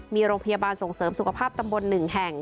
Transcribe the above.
มีโรงพยาบาลส่งเสริมสุขภาพตำบล๑แห่ง